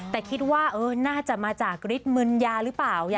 แต่คิดว่าน่าจะมาจากฤทธิมึนยาหรือเปล่า